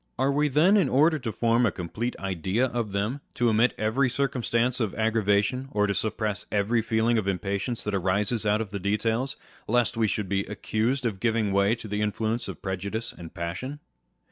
Are we then, in order to form a complete idea of them, to omit every circumstance of aggravation, or to suppress every feeling of impatience that arises out of the details, lest we should be accused of giving way to the influence of prejudice and passion